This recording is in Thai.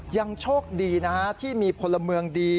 ยังโชคดีนะฮะที่มีพลเมืองดี